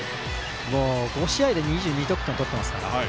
もう、５試合で２２得点取っていますから。